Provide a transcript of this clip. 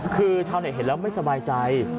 คือชาวเน็ตเห็นแล้วไม่สบายใจ